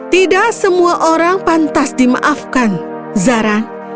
tidak semua orang pantas dimaafkan zaran